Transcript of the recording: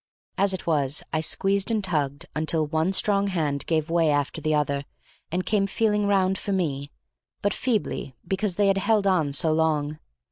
As it was, I squeezed and tugged until one strong hand gave way after the other and came feeling round for me, but feebly because they had held on so long.